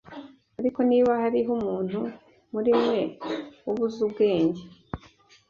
Ariko niba hariho umuntu muri mwe ubuze ubwenge,